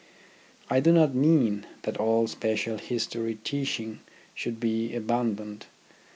I do not mean that all special history teaching should be abandoned.